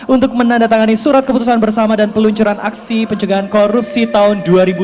untuk menandatangani surat keputusan bersama dan peluncuran aksi pencegahan korupsi tahun dua ribu dua puluh